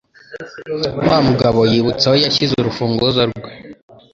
Wa mugabo yibutse aho yashyize urufunguzo rwe.